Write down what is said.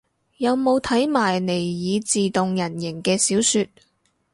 有冇睇埋尼爾自動人形嘅小說